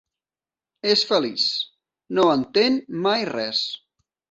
És feliç: no entén mai res.